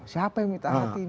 siapa yang minta hati